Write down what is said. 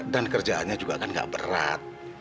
dan kerjaannya juga kan gak berat